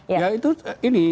ya itu ini